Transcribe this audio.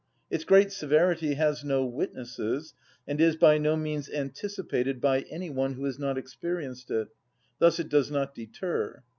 Its great severity has no witnesses, and is by no means anticipated by any one who has not experienced it; thus it does not deter.